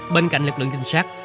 bên cạnh lực lượng trinh sát